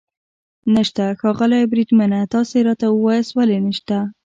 نشته؟ ښاغلی بریدمنه، تاسې راته ووایاست ولې نشته.